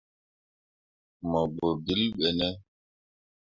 Mo gbǝ ɓilli ɓe ne ?